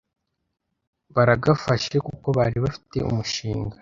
Baragafashe kuko bari bafite umushinga